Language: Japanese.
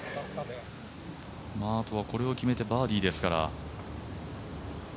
あとは、これを決めてバーディーですから。